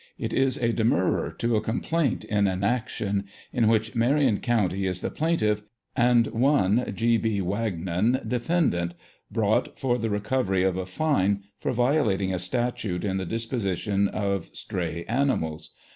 It is a demurrer to a complaint in an action, in which Marion County is the plaintiff and one G. B. Wagnou defendant, brought for the reco very of a fine for violating a statute in the dis position of estray animals.